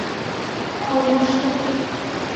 Алмаштыҡ.